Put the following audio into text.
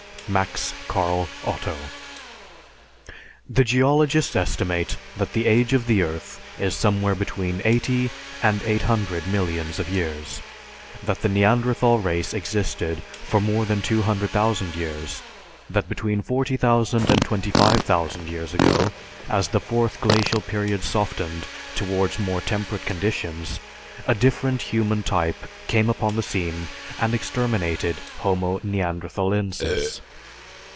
_ MAX CARL OTTO. The geologists estimate that the age of the earth is somewhere between 80 and 800 millions of years; that the Neanderthal race existed for more than 200,000 years; that between 40,000 and 25,000 years ago, as the Fourth Glacial Period softened towards more temperate conditions, a different human type came upon the scene and exterminated Homo Neanderthalensis.